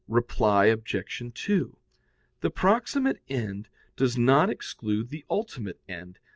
Reply Obj. 2: The proximate end does not exclude the ultimate end.